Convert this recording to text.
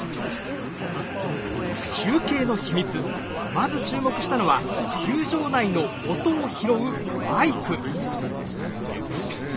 まず注目したのは球場内の音を拾うマイク。